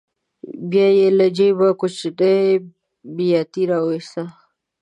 بیا به یې له جېبه کوچنۍ بیاتي راوویسته.